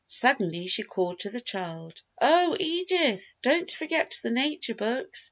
Suddenly she called to the child. "Oh, Edith! Don't forget the nature books!